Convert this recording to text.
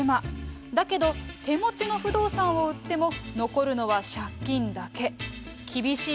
だけど、手持ちの不動産を売っても、残るのは借金だけ。